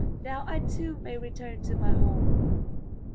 ''Now I too may return to my home!"